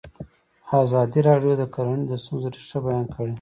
ازادي راډیو د کرهنه د ستونزو رېښه بیان کړې.